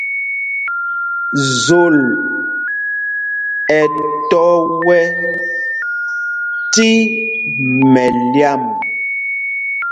Zol ɛ tɔ́ wɛ tí mɛlyam ?